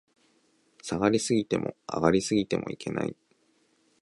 下がり過ぎても、上がり過ぎてもいけない